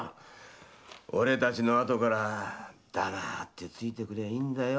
俺達の後から黙ってついてくりゃいいんだよ。